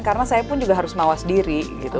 karena saya pun juga harus mawas diri gitu